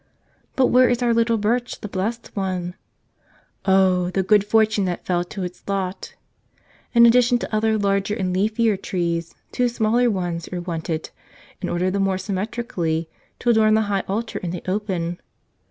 But where is our little Birch, the blessed one? Oh, the good fortune that fell to its lot! In addition to other larger and leafier trees two smaller ones were wanted in order the more symmetrically to adorn the high altar in the open.